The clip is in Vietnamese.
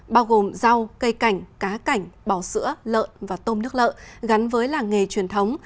bao gồm rau cây cảnh cá cảnh bò sữa lợn và tôm nước lợ gắn với làng nghề truyền thống